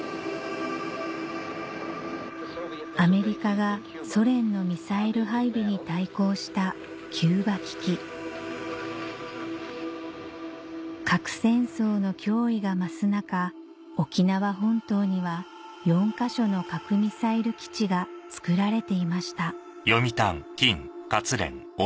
アメリカがソ連のミサイル配備に対抗した核戦争の脅威が増す中沖縄本島には４か所の核ミサイル基地が造られていました